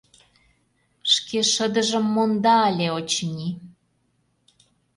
Шке шыдыжым монда ыле, очыни.